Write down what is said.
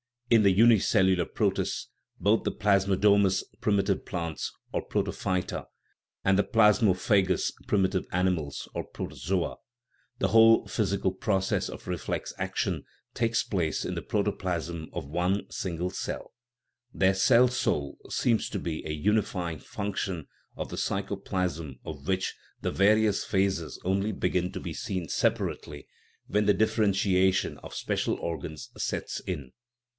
In the unicellular protists (both the plasmodomous primitive plants, or protophyta, and the plasmophagous primitive animals, or protozoa) the whole physical process of reflex action takes place in the protoplasm of one single cell ; their " cell soul " seems to be a unifying function of the psy choplasm of which the various phases only begin to be seen separately when the differentiation of special organs sets in.